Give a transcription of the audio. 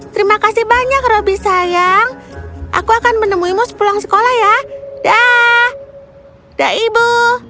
terima kasih banyak roby sayang aku akan menemuimu sepulang sekolah ya dah dah ibu